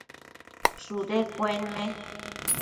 shudu cuenme